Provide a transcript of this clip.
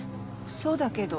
そうだけど。